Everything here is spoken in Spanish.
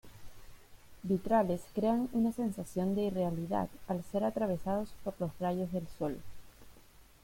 Vitrales crean una sensación de irrealidad al ser atravesados por los rayos del sol.